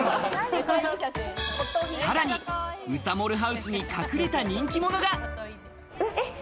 さらに、うさモルハウスに隠れた人気者が。